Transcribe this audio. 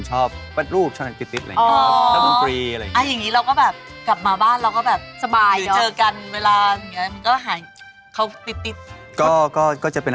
ครูสอนเต้น